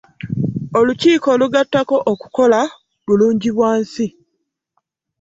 Olukiiko lugattako okukola Bulungibwansi.